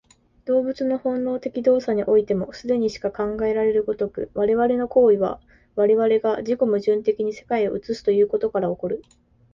動物の本能的動作においても、既にしか考えられる如く、我々の行為は我々が自己矛盾的に世界を映すということから起こる。